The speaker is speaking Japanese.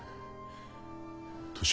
年